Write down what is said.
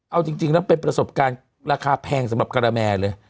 เอาจริงแล้วเป็นประสบการณ์ราคาแพงสำหรับการแมเลย